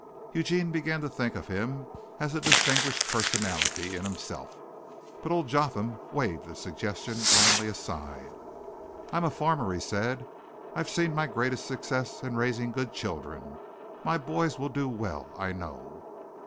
Eugene began to think of him as a distinguished personality in himself, but old Jotham waved the suggestion blandly aside. "I'm a farmer," he said. "I've seen my greatest success in raising good children. My boys will do well, I know."